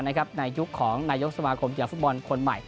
ในยุคของนายกสมาคมกีฬาฟุตบอลคนใหม่